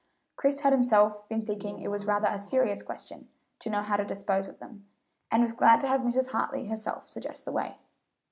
Chris had himself been thinking it was rather a serious question to know how to dispose of them, and was glad to have Mrs. Hartley herself suggest the way.